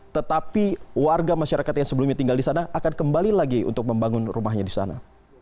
tetapi warga masyarakat yang sebelumnya tinggal di sana akan kembali lagi untuk membangun rumahnya di sana